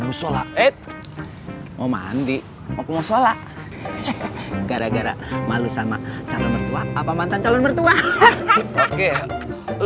musola et mau mandi mau ke musola gara gara malu sama calon mertua apa mantan calon mertua hahaha